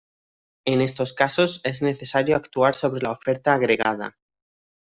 En estos casos es necesario actuar sobre la oferta agregada.